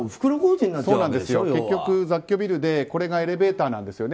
結局雑居ビルでここがエレベーターなんですよね。